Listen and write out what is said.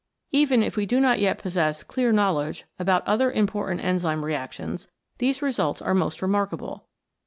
Even if we do not yet possess clear knowledge about other important enzyme re actions, these results are most remarkable.